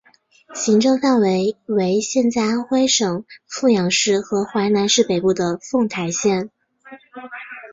行政范围为现在安徽省阜阳市和淮南市北部的凤台县。